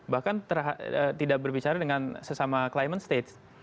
bahkan tidak berbicara dengan sesama climate states